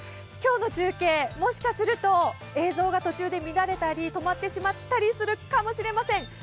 今日の中継、もしかすると映像が途中で乱れたり止まってしまったりするかもしれません。